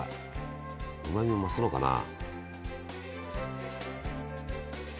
うまみ増すのかなあ。